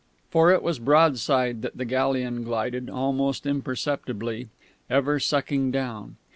For it was broadside that the galleon glided, almost imperceptibly, ever sucking down.